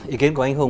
ý kiến của anh hùng